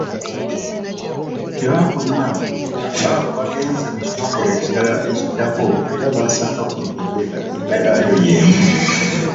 Tebakomye awo, baabo bagenze mu kitongole ekirala ekiddako era baasanga kumpi enteekateeka yaayo y’emu.